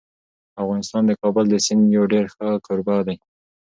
افغانستان د کابل د سیند یو ډېر ښه کوربه دی.